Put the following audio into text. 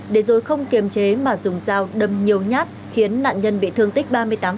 để rồi không kiềm chế mà dùng dao đâm nhiều nhát khiến nạn nhân bị thương tích ba mươi tám